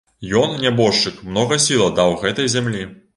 Ён, нябожчык, многа сіл аддаў гэтай зямлі.